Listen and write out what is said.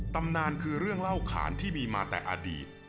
ตำนานคือเรื่องเล่าขานที่มีมาแต่อดีต